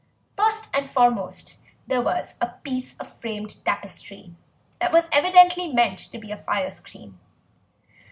First and foremost there was a piece of framed tapestry that was evidently meant to be a fire screen.